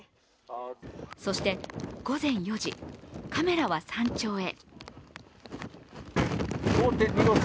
そして、午前４時、カメラは山頂へ。